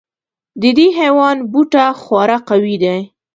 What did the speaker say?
د دې حیوان بوټه خورا قوي دی.